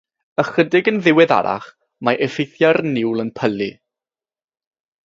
Ychydig yn ddiweddarach, mae effeithiau'r niwl yn pylu.